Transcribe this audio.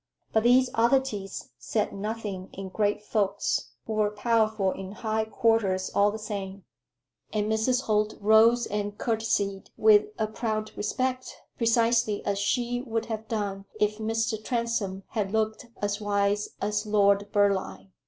But these oddities "said nothing" in great folks, who were powerful in high quarters all the same. And Mrs. Holt rose and courtesied with a proud respect, precisely as she would have done if Mr. Transome had looked as wise as Lord Burleigh.